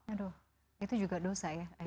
aduh itu juga dosa ya